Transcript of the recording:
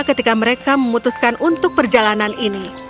ketika mereka memutuskan untuk perjalanan ini